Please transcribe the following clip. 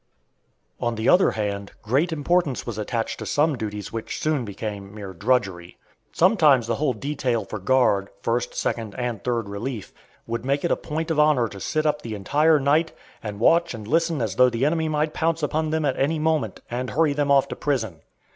On the other hand, great importance was attached to some duties which soon became mere drudgery. Sometimes the whole detail for guard first, second, and third relief would make it a point of honor to sit up the entire night, and watch and listen as though the enemy might pounce upon them at any moment, and hurry them off to prison.